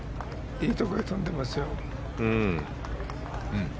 いいところに飛んでますよ。